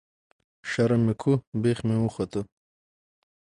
ـ شرم مې کوو بېخ مې وختو.